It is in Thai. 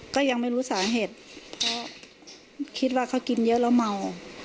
ก็ยังไม่รู้สาเหตุเพราะคิดว่าเขากินเยอะแล้วเมา